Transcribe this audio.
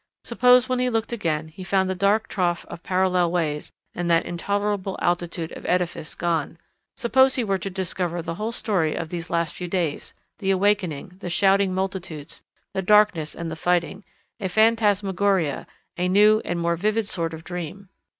Suppose when he looked again he found the dark trough of parallel ways and that intolerable altitude of edifice gone. Suppose he were to discover the whole story of these last few days, the awakening, the shouting multitudes, the darkness and the fighting, a phantasmagoria, a new and more vivid sort of dream.